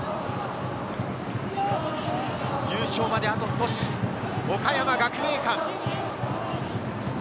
優勝まであと少し、岡山学芸館。